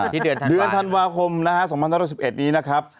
ที่เดือนธันวาคม๒๐๒๑นี้นะครับ